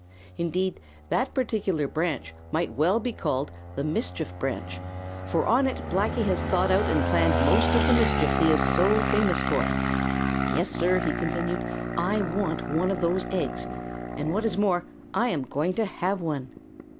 Indeed, that particular branch might well be called the "mischief branch," for on it Blacky has thought out and planned most of the mischief he is so famous for. "Yes, sir," he continued, "I want one of those eggs, and what is more, I am going to have one."